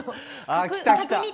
あ来た来た！